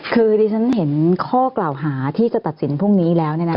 คือดิฉันเห็นข้อกล่าวหาที่จะตัดสินพรุ่งนี้แล้ว